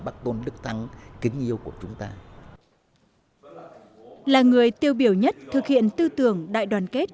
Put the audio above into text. bác tôn đức thắng kính yêu của chúng ta là người tiêu biểu nhất thực hiện tư tưởng đại đoàn kết